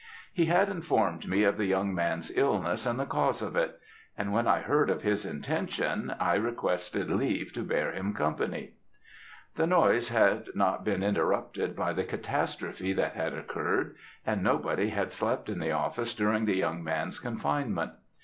He had informed me of the young man's illness and the cause of it; and when I heard of his intention, I requested leave to bear him company. "The noise had not been interrupted by the catastrophe that had occurred, and nobody had slept in the office during the young man's confinement.